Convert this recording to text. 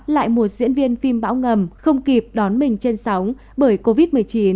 lại một diễn viên phim bão ngầm không kịp đón mình trên sóng bởi covid một mươi chín